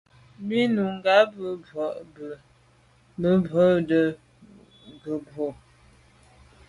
Bú nùngà bì bú’də́ mbrú bì bú’də́ mbrú gə̀ mbrɔ́k.